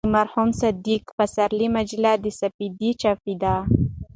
د مرحوم صدیق پسرلي مجله "سپېدې" چاپېده.